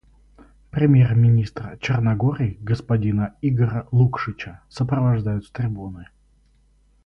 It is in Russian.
Премьер-министра Черногории господина Игора Лукшича сопровождают с трибуны.